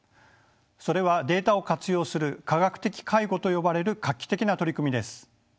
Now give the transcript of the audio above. それはデータを活用する科学的介護と呼ばれる画期的な取り組みです。